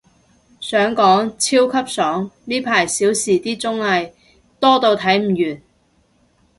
想講，超級爽，呢排少時啲綜藝，多到睇唔完